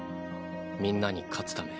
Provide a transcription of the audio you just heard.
みんなに勝つため